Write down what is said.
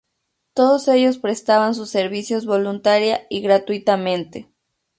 Todos ellos prestaban sus servicios voluntaria y gratuitamente.